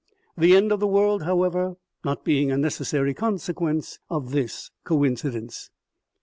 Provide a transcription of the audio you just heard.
the end of the world, however, not being a necessary consequence of this coincidence.